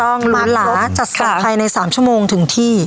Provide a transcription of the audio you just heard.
จริงต้องหรูหราจัดสรรค์ภายใน๓ชั่วโมงถึงที่